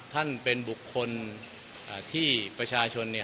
ท่านเป็นบุคคลที่ประชาชน